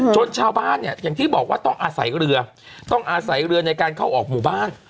ชาวบ้านเนี่ยอย่างที่บอกว่าต้องอาศัยเรือต้องอาศัยเรือในการเข้าออกหมู่บ้าน